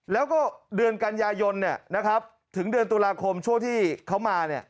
แล้วก็เดือนกันยายนนะครับถึงเดือนตุลาคมชั่วที่เขามาเนี่ย